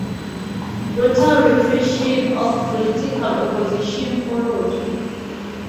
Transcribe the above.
Brutal repression of political opposition followed.